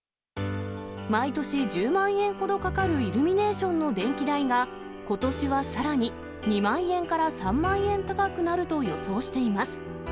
毎年１０万円ほどかかるイルミネーションの電気代が、ことしはさらに２万円から３万円高くなると予想しています。